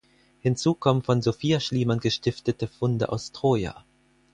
Hinzu kommen von Sophia Schliemann gestiftete Funde aus Troja.